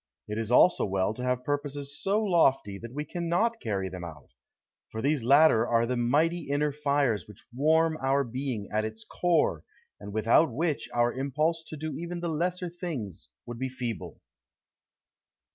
It is also well to have purposes so lofty that we cannot carry them out; for these latter are the mighty inner fires which warm our being at its core and without which our impulse to do even the lesser things would be feeble.